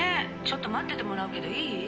「ちょっと待っててもらうけどいい？」